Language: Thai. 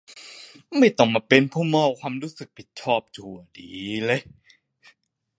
ไม่ต้องมาเป็นผู้มอบความรู้สึกผิดชอบชั่วดี